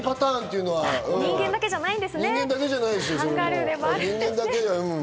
人間だけじゃないですよ。